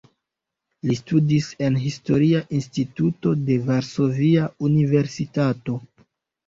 Li studis en Historia Instituto de Varsovia Universitato.